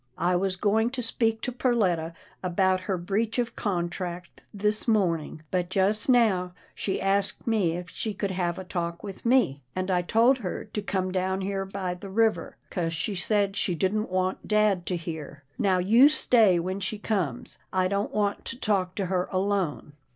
I was going to speak to Perletta about her breach of contract this morning, but just now she asked me if she could have a talk with me, and I told her to come down here by the river, 'cause she said she didn't want dad to hear. Now you stay when she comes — I don't want to talk to her alone.